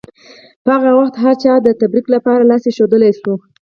په هغه وخت هرچا پرې د تبرک لپاره لاس ایښودلی شو.